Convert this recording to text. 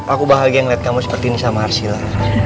aku bahagia melihat kamu seperti ini sama arsila